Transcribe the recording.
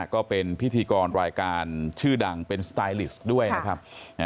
ก็เป็นพิธีกรรายการชื่อดังเป็นสไตลิสต์ด้วยนะครับ